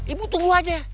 ibu tunggu aja